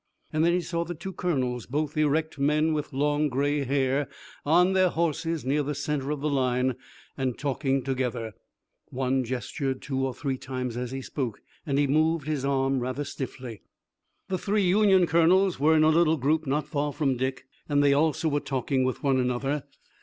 Then he saw the two colonels, both erect men with long, gray hair, on their horses near the center of the line, and talking together. One gestured two or three times as he spoke, and he moved his arm rather stiffly. The three Union colonels were in a little group not far from Dick, and they also were talking with one another.